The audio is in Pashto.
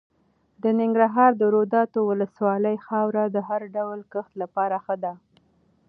د ننګرهار د روداتو ولسوالۍ خاوره د هر ډول کښت لپاره ښه ده.